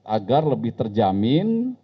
agar lebih terjamin